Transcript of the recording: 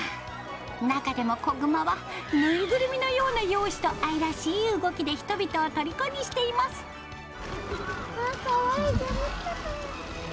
中でも、子グマは縫いぐるみのような容姿と愛らしい動きで人々をとりこにかわいい、めっちゃかわいい。